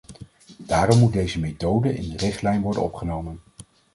Daarom moet deze methode in de richtlijn worden opgenomen.